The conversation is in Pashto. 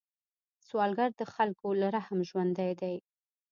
سوالګر د خلکو له رحم ژوندی دی